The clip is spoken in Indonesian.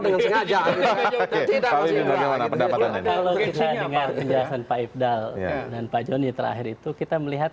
dengan sengaja kalau kita dengar penjelasan pak ifdal dan pak joni terakhir itu kita melihat